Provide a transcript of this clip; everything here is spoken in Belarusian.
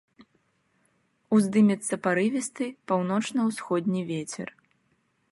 Уздымецца парывісты паўночна-ўсходні вецер.